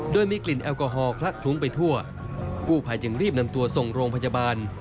โดยมีกลิ่นแอลกอฮอลคละคลุ้งไปทั่วกู้ภัยจึงรีบนำตัวส่งโรงพยาบาล